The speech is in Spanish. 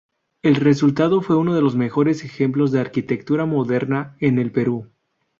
El resultado fue uno de los mejores ejemplos de arquitectura moderna en el Perú.